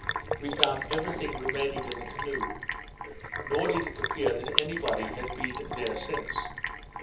We found every thing remaining in the canoe; nor did it appear that any body had been there since.